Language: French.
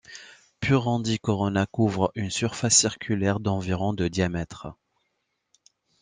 Purandhi Corona couvre une surface circulaire d'environ de diamètre.